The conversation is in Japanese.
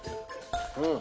うん。